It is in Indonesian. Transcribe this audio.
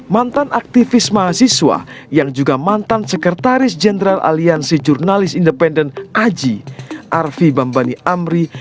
mantan aktivis mahasiswa yang juga mantan sekretaris jenderal aliansi jurnalis independen aji arfi bambani amri